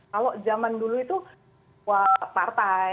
kalau zaman dulu itu partai